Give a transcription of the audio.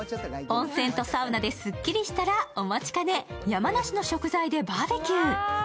温泉とサウナですっきりしたらお待ちかね、山梨の食材でバーベキュー。